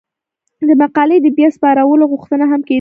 د مقالې د بیا سپارلو غوښتنه هم کیدای شي.